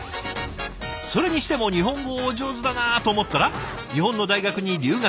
それにしても日本語お上手だなと思ったら日本の大学に留学。